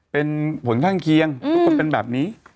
เป็นผลข้างเคียงทุกคนเป็นแบบนี้